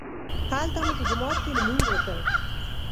هلته مو په جومات کې لمونځ وکړ.